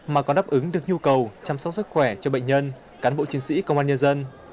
mà còn đáp ứng được nhu cầu chăm sóc sức khỏe cho bệnh nhân cán bộ chiến sĩ công an nhân dân